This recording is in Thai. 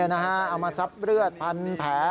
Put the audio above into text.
เอามาซับเลือดพันแผล